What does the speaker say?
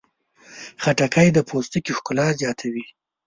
خټکی د پوستکي ښکلا زیاتوي.